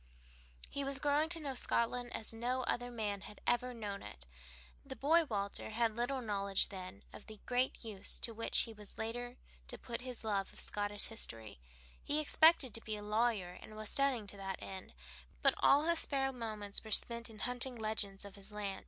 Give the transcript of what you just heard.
He was growing to know Scotland as no other man had ever known it. The boy Walter had little knowledge then of the great use to which he was later to put his love of Scottish history; he expected to be a lawyer and was studying to that end, but all his spare moments were spent in hunting legends of his land.